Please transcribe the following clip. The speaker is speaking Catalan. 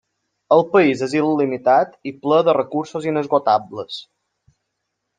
El país és il·limitat i ple de recursos inesgotables.